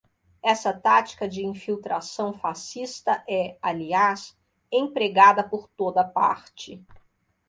Essa tática de infiltração fascista é, aliás, empregada por toda parte